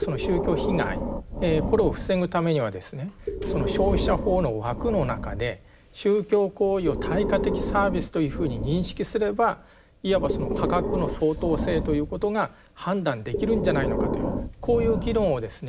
その消費者法の枠の中で宗教行為を対価的サービスというふうに認識すればいわばその価格の相当性ということが判断できるんじゃないのかというこういう議論をですね